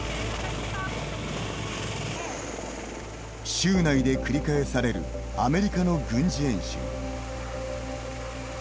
州内で繰り返されるアメリカの軍事演習。